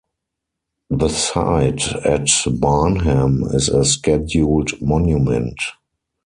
The site at Barnham is a scheduled monument.